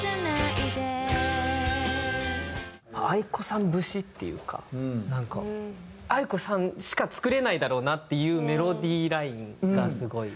ａｉｋｏさん節っていうかなんかａｉｋｏさんしか作れないだろうなっていうメロディーラインがすごい。